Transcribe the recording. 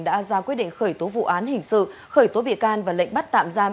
đã ra quyết định khởi tố vụ án hình sự khởi tố bị can và lệnh bắt tạm giam